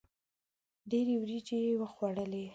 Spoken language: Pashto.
ډېري وریجي یې وخوړلې.